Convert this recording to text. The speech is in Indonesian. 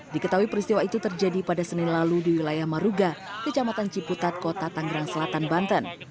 diketahui peristiwa itu terjadi pada senin lalu di wilayah maruga kecamatan ciputat kota tanggerang selatan banten